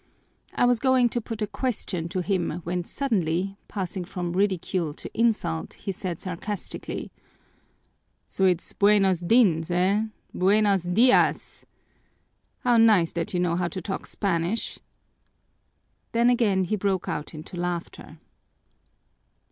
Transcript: I was going to put a question to him when suddenly, passing from ridicule to insult, he said sarcastically, 'So it's buenos dins, eh? Buenos dias! How nice that you know how to talk Spanish!' Then again he broke out into laughter."